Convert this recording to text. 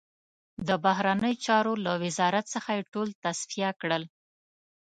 د بهرنیو چارو له وزارت څخه یې ټول تصفیه کړل.